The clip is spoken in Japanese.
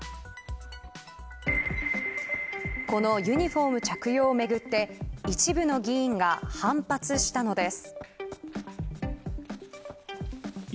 このユニホーム着用をめぐって一部の議員が反発したのです。